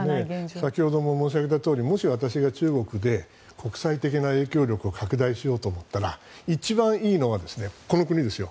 先ほども申し上げたとおりもし私が中国で国際的な影響力を拡大しようと思ったら一番いいのはこの国ですよ。